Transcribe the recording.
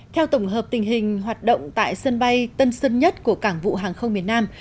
theo tổng hợp tình hình hoạt động tại sân bay tân sơn nhất của cảng vụ hàng không miền nam